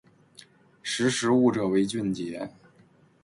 识时务者为俊杰